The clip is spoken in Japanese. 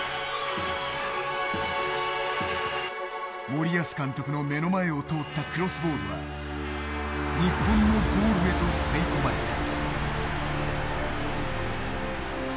森保監督の目の前を通ったクロスボールは日本のゴールへと吸い込まれた。